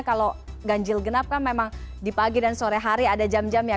kalau ganjil genap kan memang di pagi dan sore hari ada jam jam ya